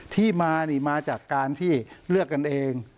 ที่มานี่มาจากการที่เลือกกันเอง